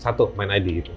siapa tuh main id itu